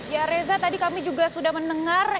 ya reza tadi kami juga sudah mendengar